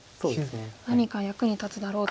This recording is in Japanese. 何か役に立つだろうと。